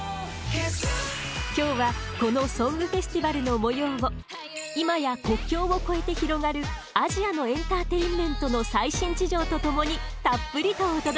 今日はこのソングフェスティバルの模様を今や国境を越えて広がるアジアのエンターテインメントの最新事情と共にたっぷりとお届けします。